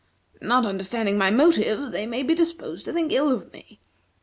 Not understanding my motives, they may be disposed to think ill of me.